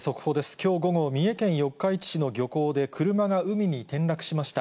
きょう午後、三重県四日市市の漁港で車が海に転落しました。